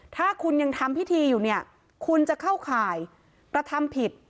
ถ้าคุณยังทำพิธีอยู่เนี่ยคุณจะเข้าข่ายกระทำผิด